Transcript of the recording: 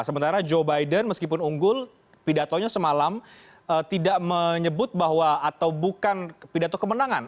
sementara joe biden meskipun unggul pidatonya semalam tidak menyebut bahwa atau bukan pidato kemenangan